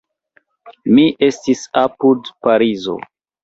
Mi estis apud Parizo.